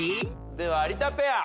では有田ペア。